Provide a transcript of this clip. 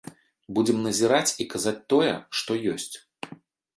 Будзем назіраць і казаць тое, што ёсць.